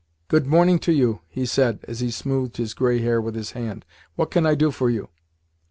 "Good morning to you," he said as he smoothed his grey hair with his hand. "What can I do for you?"